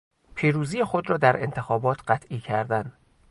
پیروزی خود را در انتخابات قطعی کردن